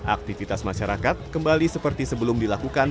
aktivitas masyarakat kembali seperti sebelum dilakukan